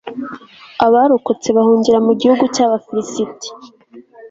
abarokotse bahungira mu gihugu cy'abafilisiti